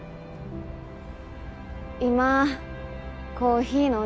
今コーヒー飲ん